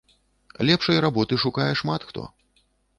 Лепшай работы шукае шмат хто.